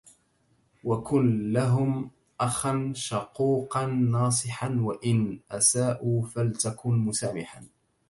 وكن لهم اخا شفوقا ناصحا وإن أساؤوا فلتكن مسامحا